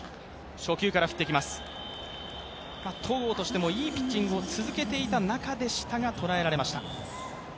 戸郷としてもいいピッチングを続けていた中でしたが捉えられました。